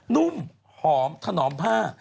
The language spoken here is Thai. นุ่มหอมถนอมผ้า